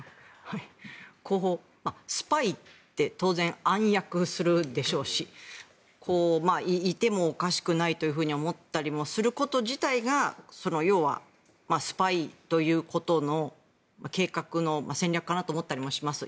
スパイって当然、暗躍するでしょうしいてもおかしくないと思ったりすること自体が要はスパイということの計画の戦略かなと思ったりもします。